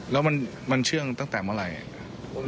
แล้วมันเชื่องตั้งแต่เมื่อไหร่